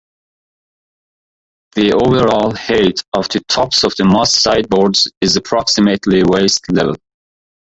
The overall height of the tops of most sideboards is approximately waist level.